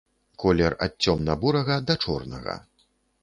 Колер ад цёмна-бурага да чорнага.